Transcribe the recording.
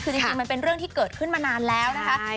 คือจริงมันเป็นเรื่องที่เกิดขึ้นมานานแล้วนะคะ